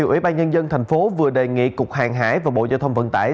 ủy ban nhân dân tp hcm vừa đề nghị cục hàng hải và bộ giao thông vận tải